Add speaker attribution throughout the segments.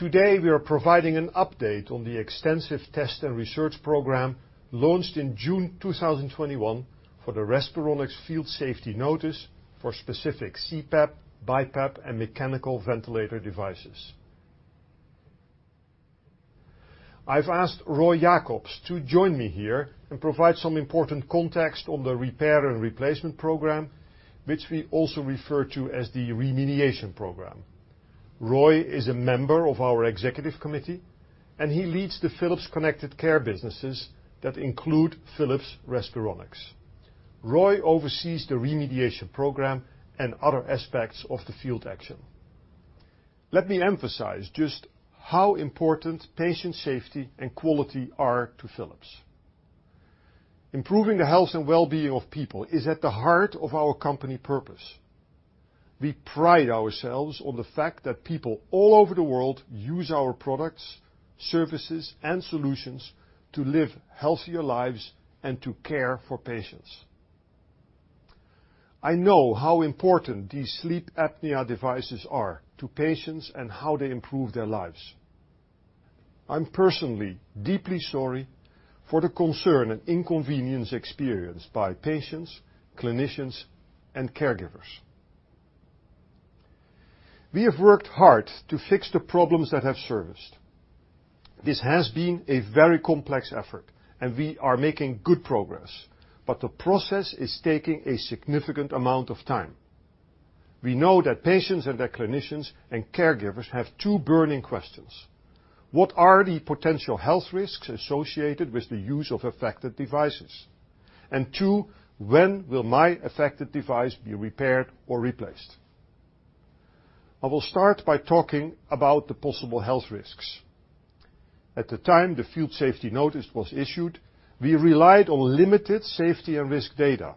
Speaker 1: Today, we are providing an update on the extensive test and research program launched in June 2021 for the Respironics field safety notice for specific CPAP, BiPAP, and mechanical ventilator devices. I've asked Roy Jakobs to join me here and provide some important context on the repair and replacement program, which we also refer to as the remediation program. Roy is a member of our executive committee, and he leads the Philips Connected Care businesses that include Philips Respironics. Roy oversees the remediation program and other aspects of the field action. Let me emphasize just how important patient safety and quality are to Philips. Improving the health and well-being of people is at the heart of our company purpose. We pride ourselves on the fact that people all over the world use our products, services, and solutions to live healthier lives and to care for patients. I know how important these sleep apnea devices are to patients and how they improve their lives. I'm personally deeply sorry for the concern and inconvenience experienced by patients, clinicians, and caregivers. We have worked hard to fix the problems that have surfaced. This has been a very complex effort, and we are making good progress, but the process is taking a significant amount of time. We know that patients and their clinicians and caregivers have two burning questions. What are the potential health risks associated with the use of affected devices? Two, when will my affected device be repaired or replaced? I will start by talking about the possible health risks. At the time the field safety notice was issued, we relied on limited safety and risk data.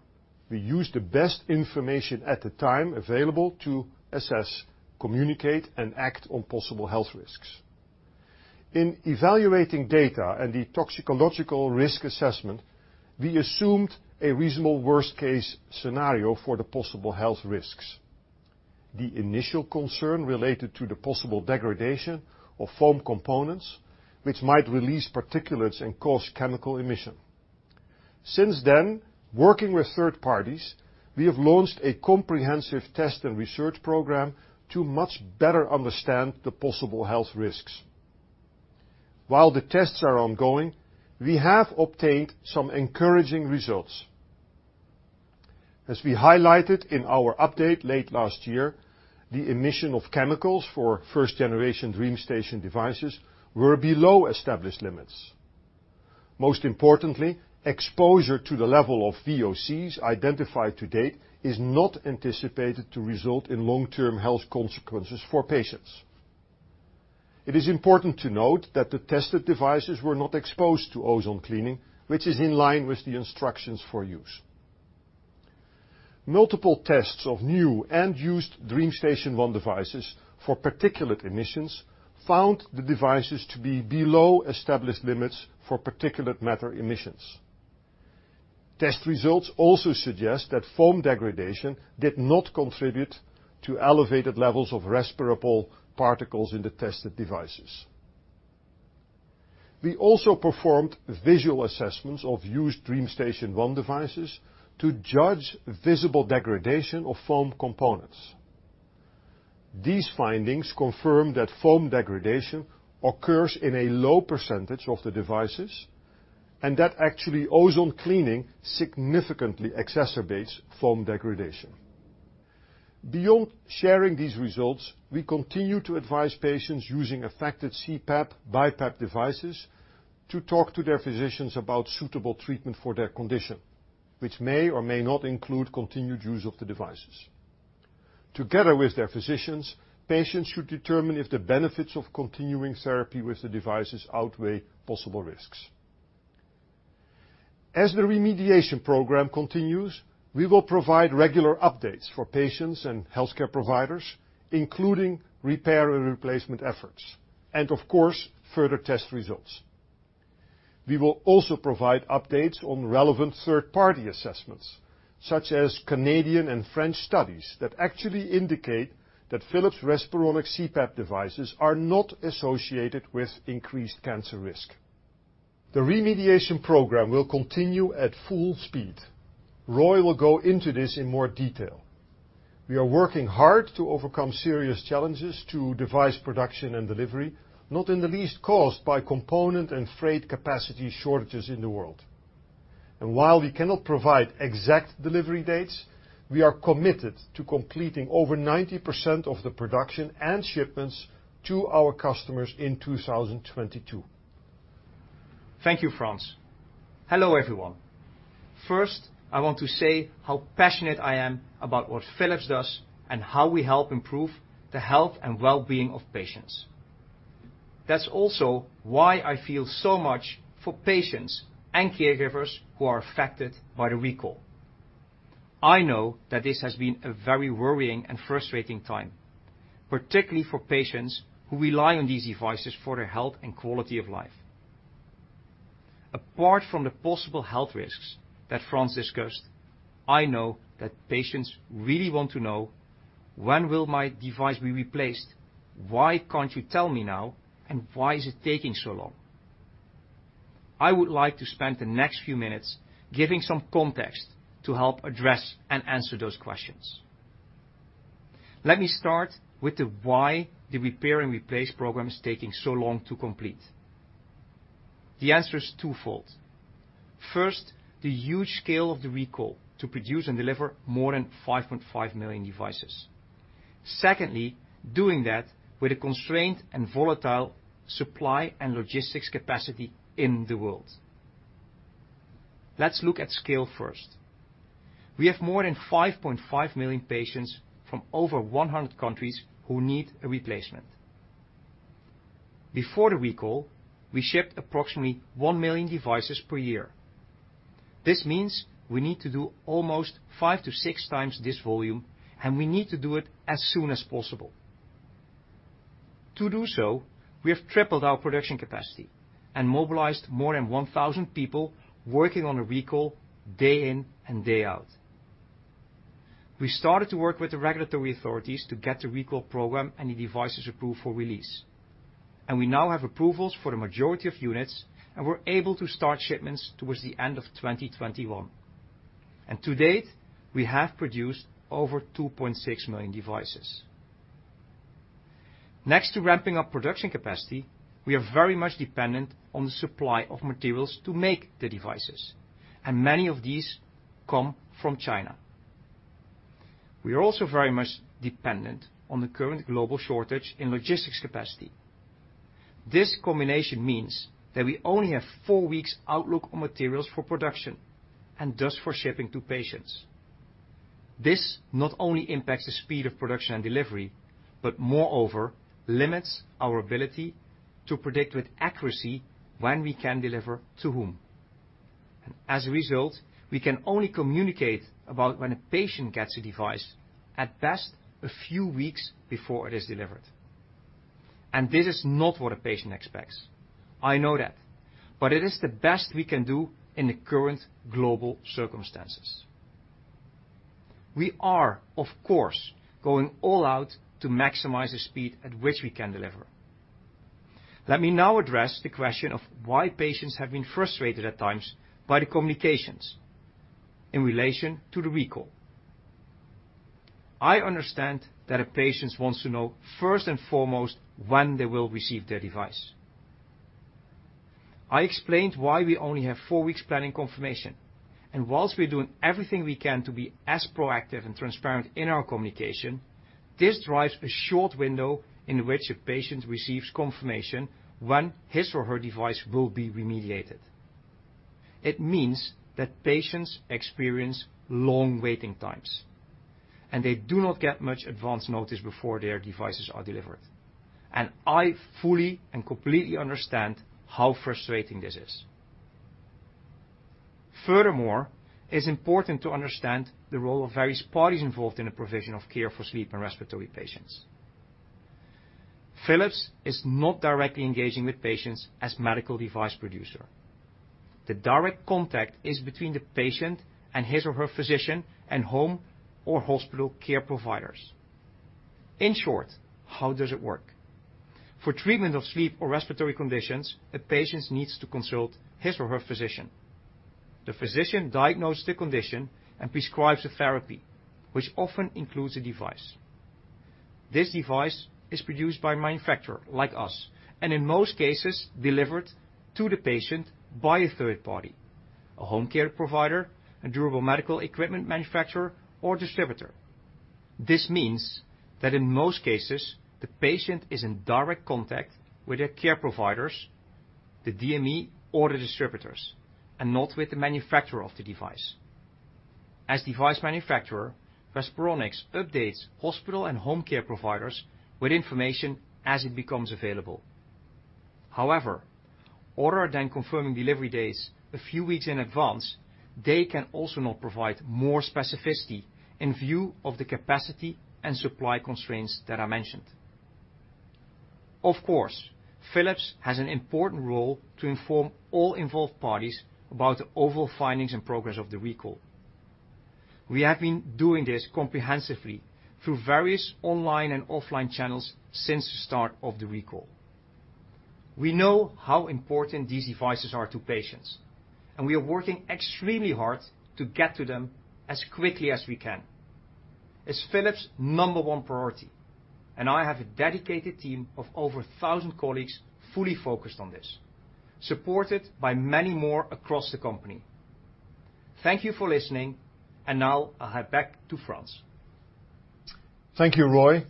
Speaker 1: We used the best information at the time available to assess, communicate, and act on possible health risks. In evaluating data and the toxicological risk assessment, we assumed a reasonable worst-case scenario for the possible health risks. The initial concern related to the possible degradation of foam components which might release particulates and cause chemical emission. Since then, working with third parties, we have launched a comprehensive test and research program to much better understand the possible health risks. While the tests are ongoing, we have obtained some encouraging results. As we highlighted in our update late last year, the emission of chemicals for first generation DreamStation devices were below established limits. Most importantly, exposure to the level of VOCs identified to date is not anticipated to result in long-term health consequences for patients. It is important to note that the tested devices were not exposed to ozone cleaning, which is in line with the instructions for use. Multiple tests of new and used DreamStation 1 devices for particulate emissions found the devices to be below established limits for particulate matter emissions. Test results also suggest that foam degradation did not contribute to elevated levels of respirable particles in the tested devices. We also performed visual assessments of used DreamStation 1 devices to judge visible degradation of foam components. These findings confirm that foam degradation occurs in a low percentage of the devices and that actually ozone cleaning significantly exacerbates foam degradation. Beyond sharing these results, we continue to advise patients using affected CPAP, BiPAP devices to talk to their physicians about suitable treatment for their condition, which may or may not include continued use of the devices. Together with their physicians, patients should determine if the benefits of continuing therapy with the devices outweigh possible risks. As the remediation program continues, we will provide regular updates for patients and healthcare providers, including repair and replacement efforts, and of course, further test results. We will also provide updates on relevant third-party assessments, such as Canadian and French studies that actually indicate that Philips Respironics CPAP devices are not associated with increased cancer risk. The remediation program will continue at full speed. Roy will go into this in more detail. We are working hard to overcome serious challenges to device production and delivery, not in the least caused by component and freight capacity shortages in the world. While we cannot provide exact delivery dates, we are committed to completing over 90% of the production and shipments to our customers in 2022.
Speaker 2: Thank you, Frans. Hello, everyone. First, I want to say how passionate I am about what Philips does and how we help improve the health and well-being of patients. That's also why I feel so much for patients and caregivers who are affected by the recall. I know that this has been a very worrying and frustrating time, particularly for patients who rely on these devices for their health and quality of life. Apart from the possible health risks that Frans discussed, I know that patients really want to know when will my device be replaced? Why can't you tell me now? Why is it taking so long? I would like to spend the next few minutes giving some context to help address and answer those questions. Let me start with the why the repair and replace program is taking so long to complete. The answer is twofold. First, the huge scale of the recall to produce and deliver more than 5.5 million devices. Secondly, doing that with a constrained and volatile supply and logistics capacity in the world. Let's look at scale first. We have more than 5.5 million patients from over 100 countries who need a replacement. Before the recall, we shipped approximately 1 million devices per year. This means we need to do almost 5x to 6x this volume, and we need to do it as soon as possible. To do so, we have tripled our production capacity and mobilized more than 1,000 people working on a recall day in and day out. We started to work with the regulatory authorities to get the recall program and the devices approved for release. We now have approvals for the majority of units, and we're able to start shipments towards the end of 2021. To date, we have produced over 2.6 million devices. Next to ramping up production capacity, we are very much dependent on the supply of materials to make the devices, and many of these come from China. We are also very much dependent on the current global shortage in logistics capacity. This combination means that we only have four weeks outlook on materials for production and thus for shipping to patients. This not only impacts the speed of production and delivery, but moreover limits our ability to predict with accuracy when we can deliver to whom. As a result, we can only communicate about when a patient gets a device at best a few weeks before it is delivered. This is not what a patient expects. I know that. It is the best we can do in the current global circumstances. We are, of course, going all out to maximize the speed at which we can deliver. Let me now address the question of why patients have been frustrated at times by the communications in relation to the recall. I understand that a patient wants to know first and foremost when they will receive their device. I explained why we only have four weeks planning confirmation, and while we're doing everything we can to be as proactive and transparent in our communication, this drives a short window in which a patient receives confirmation when his or her device will be remediated. It means that patients experience long waiting times, and they do not get much advance notice before their devices are delivered. I fully and completely understand how frustrating this is. Furthermore, it's important to understand the role of various parties involved in the provision of care for sleep and respiratory patients. Philips is not directly engaging with patients as medical device producer. The direct contact is between the patient and his or her physician and home or hospital care providers. In short, how does it work? For treatment of sleep or respiratory conditions, a patient needs to consult his or her physician. The physician diagnoses the condition and prescribes a therapy, which often includes a device. This device is produced by a manufacturer like us, and in most cases, delivered to the patient by a third party, a home care provider, a Durable Medical Equipment Manufacturer or Distributor. This means that in most cases, the patient is in direct contact with their care providers, the DME or the distributors, and not with the manufacturer of the device. As device manufacturer, Respironics updates hospital and home care providers with information as it becomes available. However, other than confirming delivery dates a few weeks in advance, they can also not provide more specificity in view of the capacity and supply constraints that I mentioned. Of course, Philips has an important role to inform all involved parties about the overall findings and progress of the recall. We have been doing this comprehensively through various online and offline channels since the start of the recall. We know how important these devices are to patients, and we are working extremely hard to get to them as quickly as we can. It's Philips' number one priority, and I have a dedicated team of over 1,000 colleagues fully focused on this, supported by many more across the company. Thank you for listening, and now I hand back to Frans.
Speaker 1: Thank you, Roy.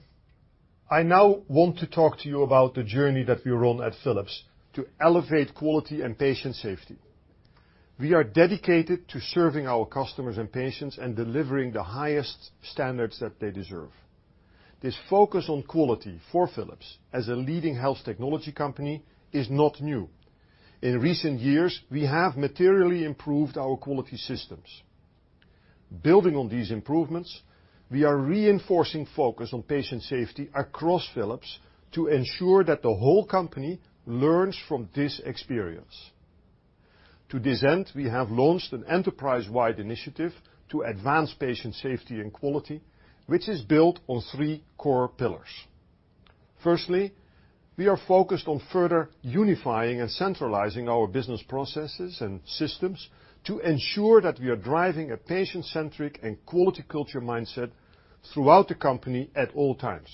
Speaker 1: I now want to talk to you about the journey that we're on at Philips to elevate quality and patient safety. We are dedicated to serving our customers and patients and delivering the highest standards that they deserve. This focus on quality for Philips as a leading health technology company is not new. In recent years, we have materially improved our quality systems. Building on these improvements, we are reinforcing focus on patient safety across Philips to ensure that the whole company learns from this experience. To this end, we have launched an enterprise-wide initiative to advance patient safety and quality, which is built on three core pillars. Firstly, we are focused on further unifying and centralizing our business processes and systems to ensure that we are driving a patient-centric and quality culture mindset throughout the company at all times.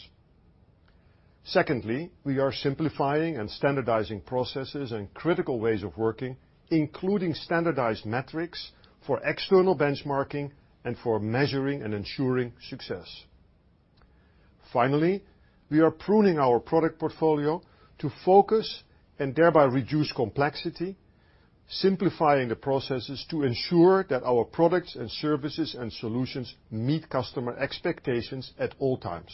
Speaker 1: Secondly, we are simplifying and standardizing processes and critical ways of working, including standardized metrics for external benchmarking and for measuring and ensuring success. Finally, we are pruning our product portfolio to focus and thereby reduce complexity, simplifying the processes to ensure that our products and services and solutions meet customer expectations at all times.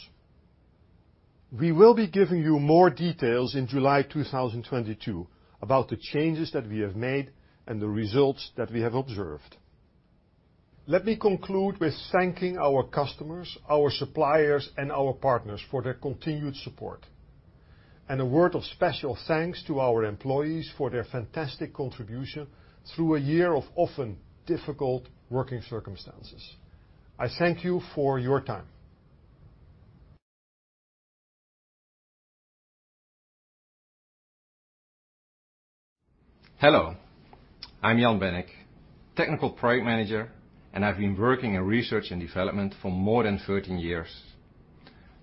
Speaker 1: We will be giving you more details in July 2022 about the changes that we have made and the results that we have observed. Let me conclude with thanking our customers, our suppliers, and our partners for their continued support. A word of special thanks to our employees for their fantastic contribution through a year of often difficult working circumstances. I thank you for your time.
Speaker 3: Hello, I'm Jan Bennink, Technical Product Manager, and I've been working in research and development for more than 13 years.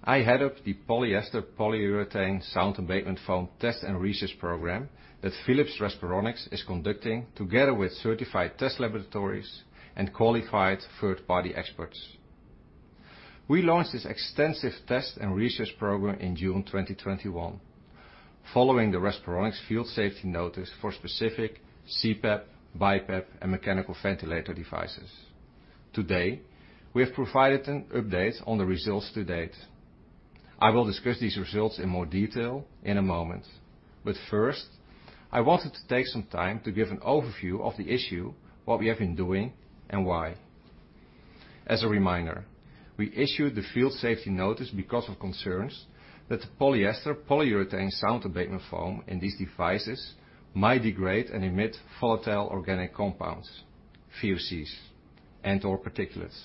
Speaker 3: I head up the polyester polyurethane sound abatement foam test and research program that Philips Respironics is conducting together with certified test laboratories and qualified third-party experts. We launched this extensive test and research program in June 2021, following the Respironics field safety notice for specific CPAP, BiPAP, and mechanical ventilator devices. Today, we have provided an update on the results to date. I will discuss these results in more detail in a moment. First, I wanted to take some time to give an overview of the issue, what we have been doing, and why. As a reminder, we issued the field safety notice because of concerns that the polyester polyurethane sound abatement foam in these devices might degrade and emit volatile organic compounds, VOCs, and/or particulates.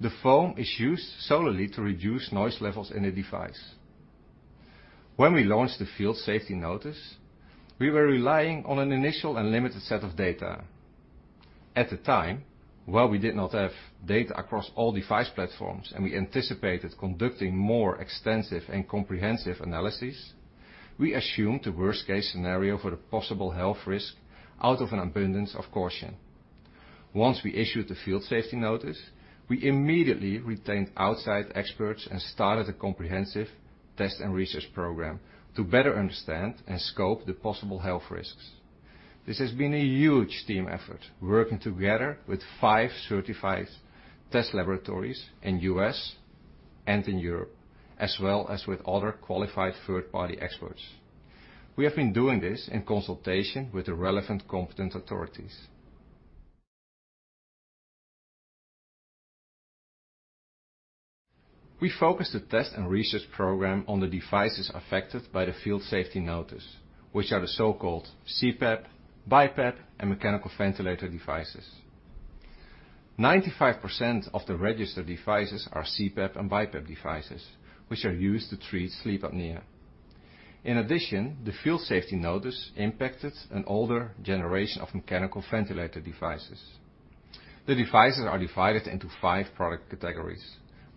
Speaker 3: The foam is used solely to reduce noise levels in the device. When we launched the field safety notice, we were relying on an initial and limited set of data. At the time, while we did not have data across all device platforms, and we anticipated conducting more extensive and comprehensive analysis, we assumed the worst-case scenario for the possible health risk out of an abundance of caution. Once we issued the field safety notice, we immediately retained outside experts and started a comprehensive test and research program to better understand and scope the possible health risks. This has been a huge team effort, working together with five certified test laboratories in U.S. and in Europe, as well as with other qualified third-party experts. We have been doing this in consultation with the relevant competent authorities. We focused the test and research program on the devices affected by the field safety notice, which are the so-called CPAP, BiPAP, and mechanical ventilator devices. 95% of the registered devices are CPAP and BiPAP devices, which are used to treat sleep apnea. In addition, the field safety notice impacted an older generation of mechanical ventilator devices. The devices are divided into five product categories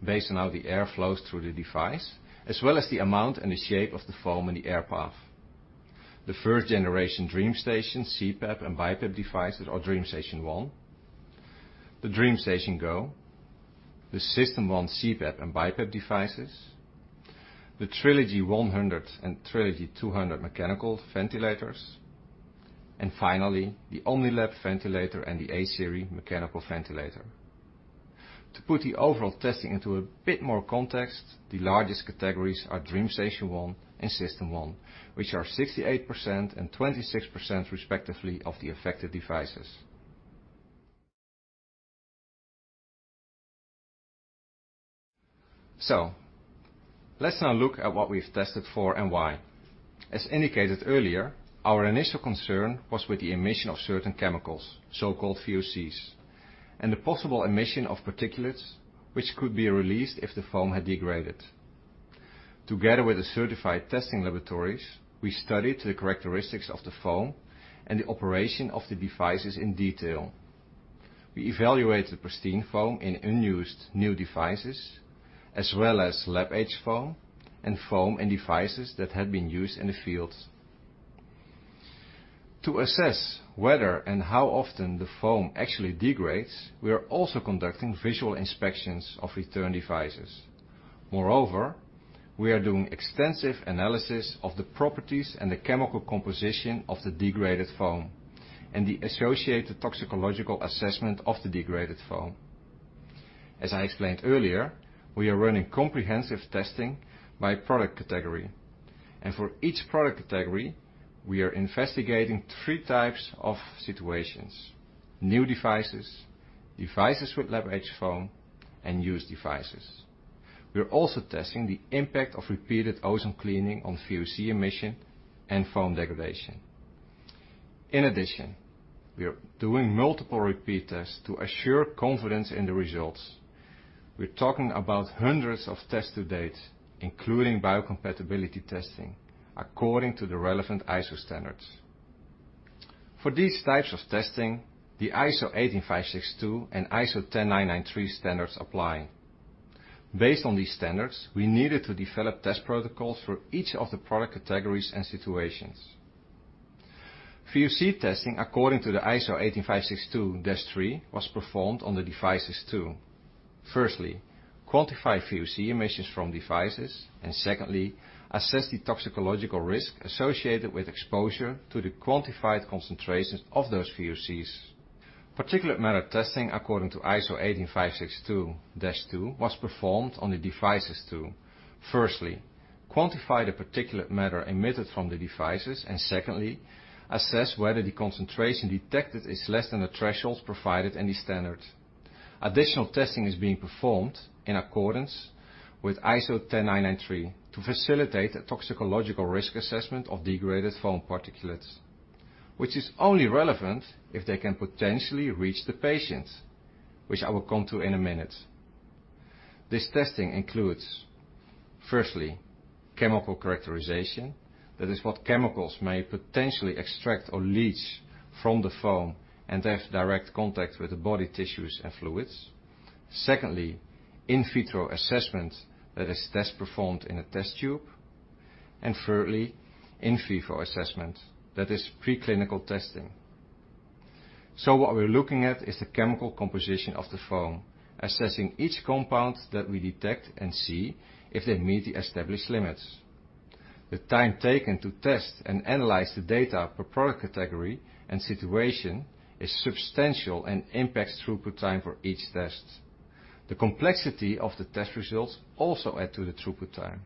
Speaker 3: based on how the air flows through the device, as well as the amount and the shape of the foam in the air path. The first-generation DreamStation CPAP and BiPAP devices are DreamStation 1, the DreamStation Go, the System One CPAP and BiPAP devices, the Trilogy 100 and Trilogy 200 mechanical ventilators, and finally, the OmniLab ventilator and the A-Series mechanical ventilator. To put the overall testing into a bit more context, the largest categories are DreamStation 1 and System 1, which are 68% and 26%, respectively, of the affected devices. Let's now look at what we've tested for and why. As indicated earlier, our initial concern was with the emission of certain chemicals, so-called VOCs, and the possible emission of particulates which could be released if the foam had degraded. Together with the certified testing laboratories, we studied the characteristics of the foam and the operation of the devices in detail. We evaluated the pristine foam in unused new devices as well as lab-aged foam and foam in devices that had been used in the field. To assess whether and how often the foam actually degrades, we are also conducting visual inspections of returned devices. Moreover, we are doing extensive analysis of the properties and the chemical composition of the degraded foam and the associated toxicological assessment of the degraded foam. As I explained earlier, we are running comprehensive testing by product category. For each product category, we are investigating three types of situations. New devices with lab-aged foam, and used devices. We are also testing the impact of repeated ozone cleaning on VOC emission and foam degradation. In addition, we are doing multiple repeat tests to assure confidence in the results. We're talking about hundreds of tests to date, including biocompatibility testing according to the relevant ISO standards. For these types of testing, the ISO 18562 and ISO 10993 standards apply. Based on these standards, we needed to develop test protocols for each of the product categories and situations. VOC testing according to the ISO 18562-3 was performed on the devices too. Firstly, quantify VOC emissions from devices, and secondly, assess the toxicological risk associated with exposure to the quantified concentrations of those VOCs. Particulate matter testing according to ISO 18562-2 was performed on the devices too. Firstly, quantify the particulate matter emitted from the devices, and secondly, assess whether the concentration detected is less than the thresholds provided in the standard. Additional testing is being performed in accordance with ISO 10993 to facilitate a toxicological risk assessment of degraded foam particulates, which is only relevant if they can potentially reach the patient, which I will come to in a minute. This testing includes, firstly, chemical characterization. That is what chemicals may potentially extract or leach from the foam and have direct contact with the body tissues and fluids. Secondly, in vitro assessment. That is test performed in a test tube. Thirdly, in vivo assessment. That is pre-clinical testing. What we're looking at is the chemical composition of the foam, assessing each compound that we detect and see if they meet the established limits. The time taken to test and analyze the data per product category and situation is substantial and impacts throughput time for each test. The complexity of the test results also add to the throughput time.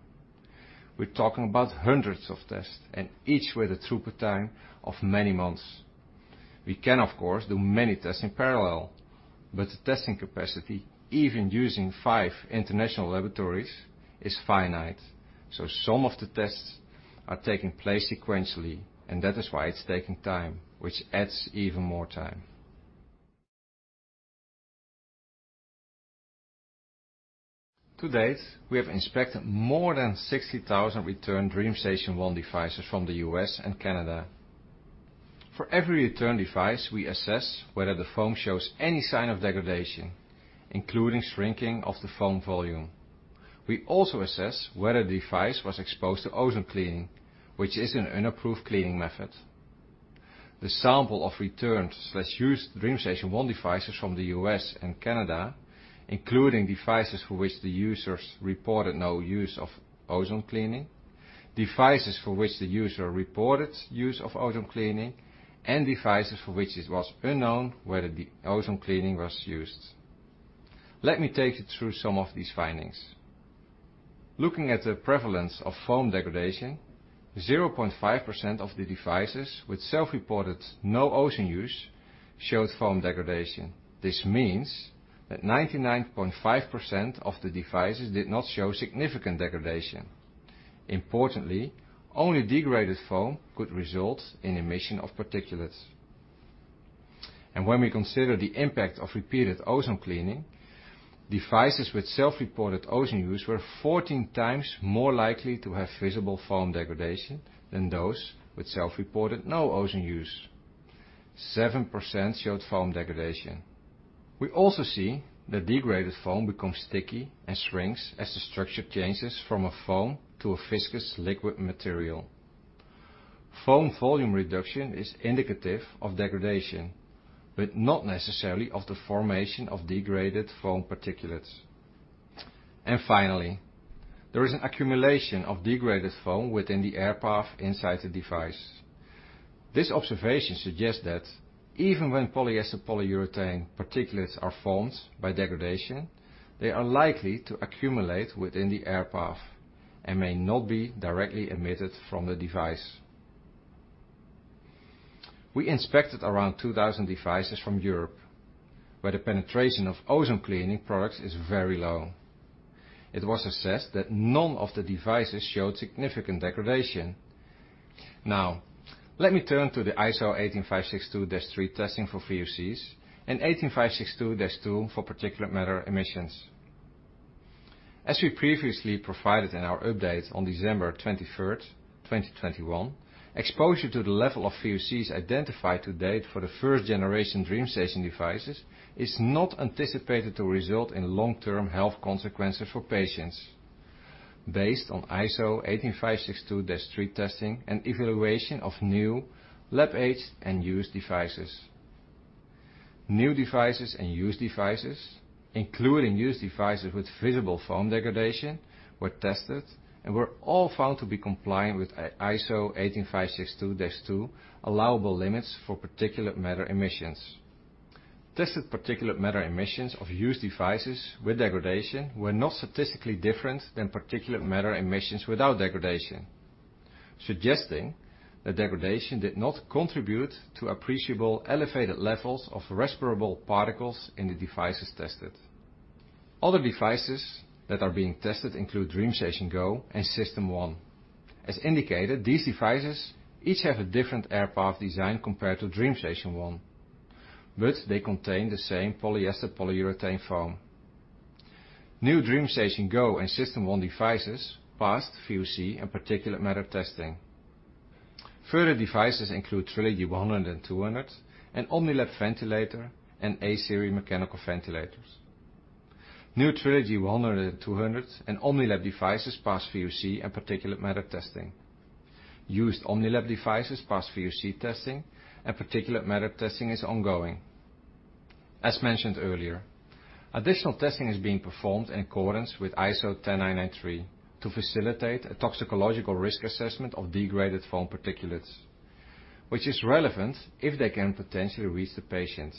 Speaker 3: We're talking about hundreds of tests and each with a throughput time of many months. We can, of course, do many tests in parallel, but the testing capacity, even using five international laboratories, is finite. Some of the tests are taking place sequentially, and that is why it's taking time, which adds even more time. To date, we have inspected more than 60,000 returned DreamStation 1 devices from the U.S. and Canada. For every returned device, we assess whether the foam shows any sign of degradation, including shrinking of the foam volume. We also assess whether the device was exposed to ozone cleaning, which is an unapproved cleaning method. The sample of returned/used DreamStation 1 devices from the US and Canada, including devices for which the users reported no use of ozone cleaning, devices for which the user reported use of ozone cleaning, and devices for which it was unknown whether the ozone cleaning was used. Let me take you through some of these findings. Looking at the prevalence of foam degradation, 0.5% of the devices with self-reported no ozone use showed foam degradation. This means that 99.5% of the devices did not show significant degradation. Importantly, only degraded foam could result in emission of particulates. When we consider the impact of repeated ozone cleaning, devices with self-reported ozone use were 14x more likely to have visible foam degradation than those with self-reported no ozone use. 7% showed foam degradation. We also see that degraded foam becomes sticky and shrinks as the structure changes from a foam to a viscous liquid material. Foam volume reduction is indicative of degradation, but not necessarily of the formation of degraded foam particulates. Finally, there is an accumulation of degraded foam within the air path inside the device. This observation suggests that even when polyester polyurethane particulates are formed by degradation, they are likely to accumulate within the air path and may not be directly emitted from the device. We inspected around 2000 devices from Europe, where the penetration of ozone cleaning products is very low. It was assessed that none of the devices showed significant degradation. Now, let me turn to the ISO 18562-3 testing for VOCs and 18562-2 for particulate matter emissions. As we previously provided in our update on December 23, 2021, exposure to the level of VOCs identified to date for the first generation DreamStation devices is not anticipated to result in long-term health consequences for patients based on ISO 18562-3 testing and evaluation of new lab-aged and used devices. New devices and used devices, including used devices with visible foam degradation, were tested and were all found to be compliant with ISO 18562-2 allowable limits for particulate matter emissions. Tested particulate matter emissions of used devices with degradation were not statistically different than particulate matter emissions without degradation, suggesting that degradation did not contribute to appreciable elevated levels of respirable particles in the devices tested. Other devices that are being tested include DreamStation Go and System One. As indicated, these devices each have a different air path design compared to DreamStation 1, but they contain the same polyester polyurethane foam. New DreamStation Go and System One devices passed VOC and particulate matter testing. Further devices include Trilogy 100 and 200, an OmniLab ventilator, and A-Series mechanical ventilators. New Trilogy 100 and 200 and OmniLab devices passed VOC and particulate matter testing. Used OmniLab devices passed VOC testing, and particulate matter testing is ongoing. As mentioned earlier, additional testing is being performed in accordance with ISO 10993 to facilitate a toxicological risk assessment of degraded foam particulates, which is relevant if they can potentially reach the patient,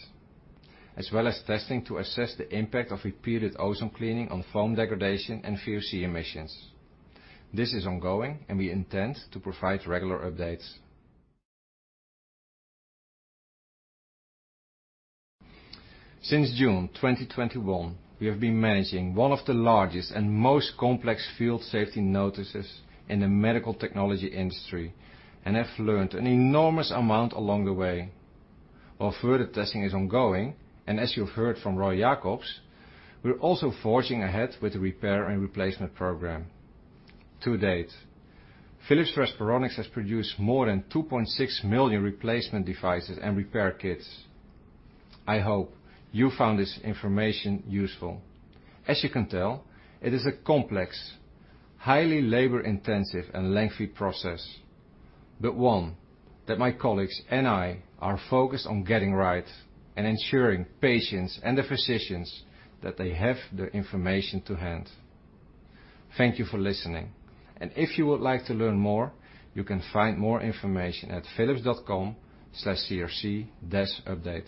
Speaker 3: as well as testing to assess the impact of repeated ozone cleaning on foam degradation and VOC emissions. This is ongoing, and we intend to provide regular updates. Since June 2021, we have been managing one of the largest and most complex field safety notices in the medical technology industry and have learned an enormous amount along the way. While further testing is ongoing, and as you've heard from Roy Jakobs, we're also forging ahead with the repair and replacement program. To date, Philips Respironics has produced more than 2.6 million replacement devices and repair kits. I hope you found this information useful. As you can tell, it is a complex, highly labor-intensive, and lengthy process, but one that my colleagues and I are focused on getting right and ensuring patients and the physicians that they have the information to hand. Thank you for listening, and if you would like to learn more, you can find more information at philips.com/SRC-update.